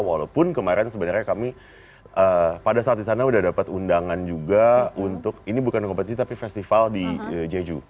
walaupun kemarin sebenarnya kami pada saat di sana sudah dapat undangan juga untuk ini bukan kompetisi tapi festival di jeju